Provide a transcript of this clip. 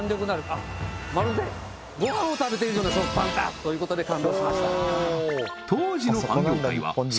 あっまるでごはんを食べているような食パンだ！ということで感動しました